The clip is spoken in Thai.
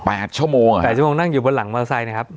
ชั่วโมงเหรอแปดชั่วโมงนั่งอยู่บนหลังมอเตอร์ไซค์นะครับ